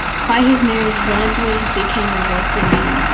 By his marriage, Ludwig became a wealthy man.